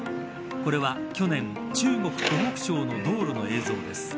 これは去年中国湖北省の道路の映像です。